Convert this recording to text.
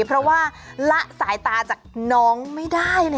เพราะว่าละสายตาจากน้องไม่ได้